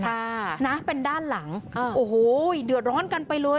ค่ะนะเป็นด้านหลังอ่าโอ้โหเดือดร้อนกันไปเลย